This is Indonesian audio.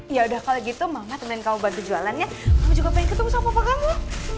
yaudah kalo gitu mama temenin kamu bantu jualannya mama juga pengen ketemu sama papa kamu